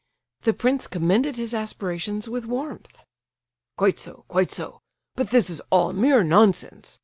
The prince commended his aspirations with warmth. "Quite so—quite so! But this is all mere nonsense.